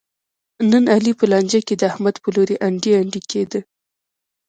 نن علي په لانجه کې د احمد په لوري انډی انډی کېدا.